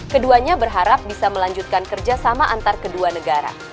keduanya berharap bisa melanjutkan kerjasama antar kedua negara